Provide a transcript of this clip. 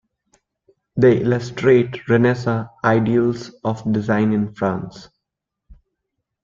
They illustrate Renaissance ideals of design in France.